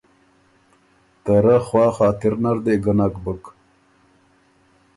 ته رۀ خوا خاطر نر دې ګۀ نک بُک